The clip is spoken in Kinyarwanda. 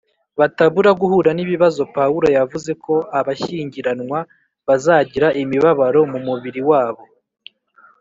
batabura guhura n ibibazo Pawulo yavuze ko abashyingiranwa bazagira imibabaro mu mubiri wabo